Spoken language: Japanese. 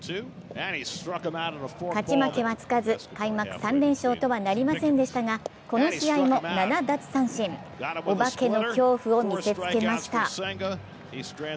勝ち負けはつかず開幕３連勝とはなりませんでしたがこの試合も７奪三振、お化けの恐怖を見せつけました。